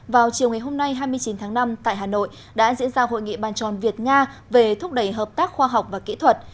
vào chiều ngày hôm nay hai mươi chín tháng năm tại hà nội đã diễn ra hội nghị bàn tròn việt nga về thúc đẩy hợp tác khoa học và kỹ thuật